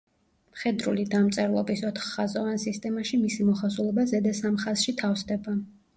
მხედრული დამწერლობის ოთხხაზოვან სისტემაში მისი მოხაზულობა ზედა სამ ხაზში თავსდება.